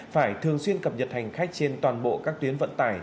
phải thường xuyên cập nhật hành khách trên toàn bộ các tuyến vận tải